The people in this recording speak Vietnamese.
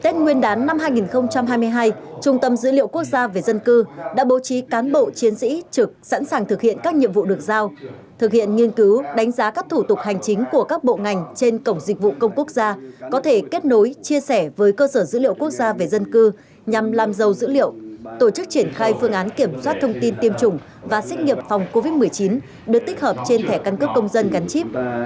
tết nguyên đán năm hai nghìn hai mươi hai trung tâm dữ liệu quốc gia về dân cư đã bố trí cán bộ chiến sĩ trực sẵn sàng thực hiện các nhiệm vụ được giao thực hiện nghiên cứu đánh giá các thủ tục hành chính của các bộ ngành trên cổng dịch vụ công quốc gia có thể kết nối chia sẻ với cơ sở dữ liệu quốc gia về dân cư nhằm làm giàu dữ liệu tổ chức triển khai phương án kiểm soát thông tin tiêm chủng và xét nghiệm phòng covid một mươi chín được tích hợp trên thẻ căn cấp công dân gắn chip